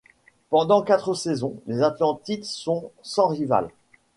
Pendant quatre saisons, les Atlantides sont sans rivales.